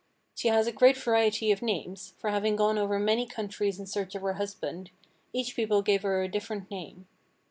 She has a great variety of names, for having gone over many countries in search of her husband, each people gave her a different name.